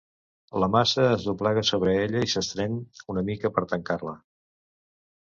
La massa es doblega sobre ella i s'estreny una mica per tancar-la.